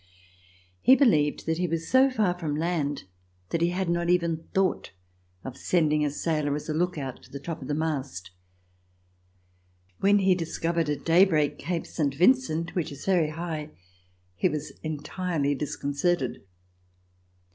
He believed that he was so far from land that he had not even thought of sending a sailor as a look out to the top of the mast. When he discovered, at daybreak. Cape Saint Vincent, which is very high, he was entirely disconcerted.